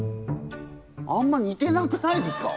あんまにてなくないですか？